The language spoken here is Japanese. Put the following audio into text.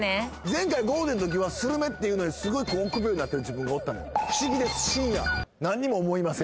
前回ゴールデンのときはスルメって言うのにすごく臆病になってる自分がおったのよ